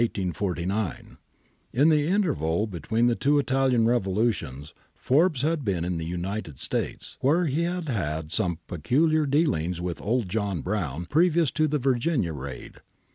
^ In the interval between the two Italian revolutions, Forbes had been in the United States, where he had had some peculiar dealings with old John Brown previous to the Virginia raid.